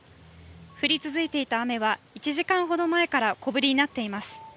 降り続いていた雨は１時間ほど前から小降りになっています。